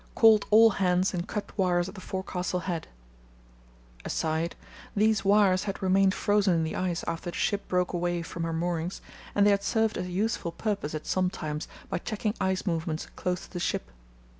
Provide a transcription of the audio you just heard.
Called all hands and cut wires at the forecastle head. [These wires had remained frozen in the ice after the ship broke away from her moorings, and they had served a useful purpose at some times by checking ice movements close to the ship.